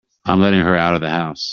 I'm letting her out of the house.